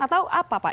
atau apa pak